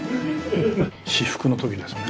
至福の時ですもんね